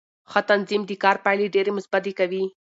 ښه تنظیم د کار پایلې ډېرې مثبتې کوي